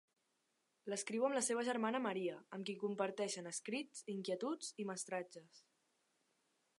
L'escriu amb la seva germana Maria, amb qui comparteixen, escrits, inquietuds i mestratges.